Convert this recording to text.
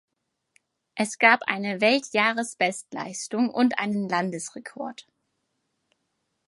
Es gab eine Weltjahresbestleistung und einen Landesrekord.